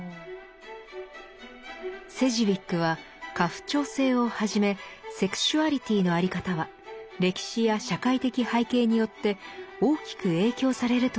セジウィックは家父長制をはじめセクシュアリティの在り方は歴史や社会的背景によって大きく影響されるといいます。